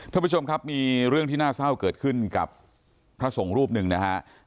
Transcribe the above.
ท่านผู้ชมครับมีเรื่องที่น่าเศร้าเกิดขึ้นกับพระสงฆ์รูปหนึ่งนะฮะ